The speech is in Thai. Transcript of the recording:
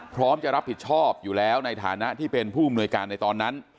พร้อมจะรับผิดชอบอยู่แล้วในฐานะที่เป็นผู้อำนวยการในตอนนั้น